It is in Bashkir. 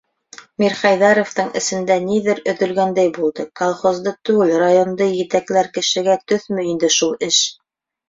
Мирхәйҙәровтың эсендә ниҙер өҙөлгәндәй булды: колхозды түгел, районды етәкләр кешегә төҫмө инде шул эш?